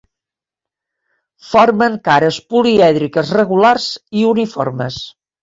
Formen cares polièdriques regulars i uniformes.